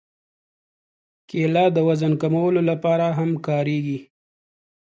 کېله د وزن کمولو لپاره هم کارېږي.